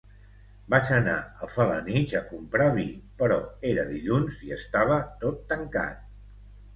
Vaig anar a Felanitx a comprar vi però era dilluns i estava tot tancat